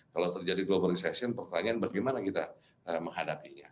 kalau terjadi global resession pertanyaan bagaimana kita menghadapinya